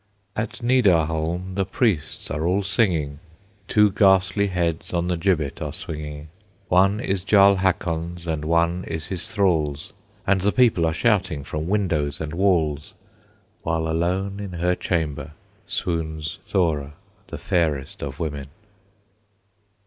At Nidarholm the priests are all singing, Two ghastly heads on the gibbet are swinging; One is Jarl Hakon's and one is his thrall's, And the people are shouting from windows and walls; While alone in her chamber Swoons Thora, the fairest of women.